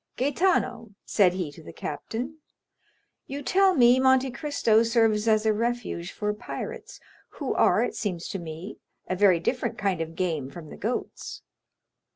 "Gaetano," said he to the captain, "you tell me Monte Cristo serves as a refuge for pirates, who are, it seems to me, a very different kind of game from the goats."